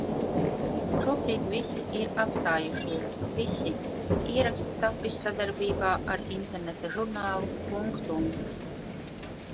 Šobrīd visi ir apstājušies. Visi. Ieraksts tapis sadarbībā ar interneta žurnālu Punctum